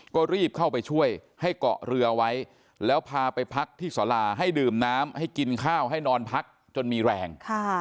ก็รีบเข้าไปช่วยให้เกาะเรือไว้แล้วพาไปพักที่สาราให้ดื่มน้ำให้กินข้าวให้นอนพักจนมีแรง